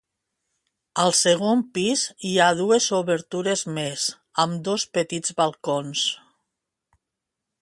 Al segon pis, hi ha dues obertures més, amb dos petits balcons.